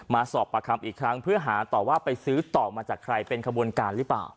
สอบประคำอีกครั้งเพื่อหาต่อว่าไปซื้อต่อมาจากใครเป็นขบวนการหรือเปล่า